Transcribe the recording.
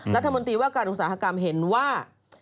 รัฐมนตรีว่าการอุตสาหกรรมเห็นว่า